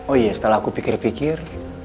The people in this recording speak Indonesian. oh iya setelah aku pikir pikir